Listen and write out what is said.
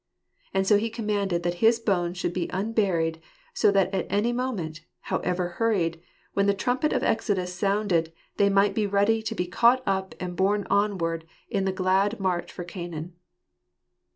And so he commanded that his bone? should be unburied, so that at any moment, however hurried, when the trumpet of exodus sounded, they might be ready to be caught up and borne onward in the glad march for Canaan.